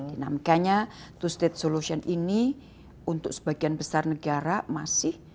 dinamikanya two state solution ini untuk sebagian besar negara masih